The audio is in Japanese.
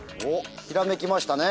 ひらめきましたね。